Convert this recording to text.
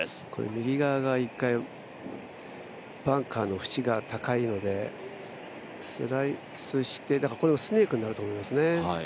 右側が一回、バンカーの縁が高いのでスライスして、だからスネークになると思いますね。